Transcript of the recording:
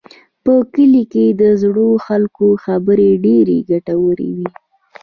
په کلي کې د زړو خلکو خبرې ډېرې ګټورې وي.